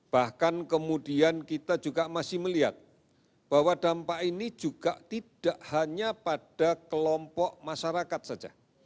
bahkan kemudian kita juga masih melihat bahwa dampak ini juga tidak hanya pada kelompok masyarakat saja